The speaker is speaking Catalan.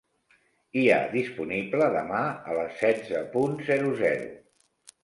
Hi ha disponible demà a les setze punt zero zero.